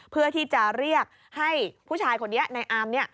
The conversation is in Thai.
เพื่อที่จะเรียกให้ผู้ชายคนนี้ในอามเนี่ย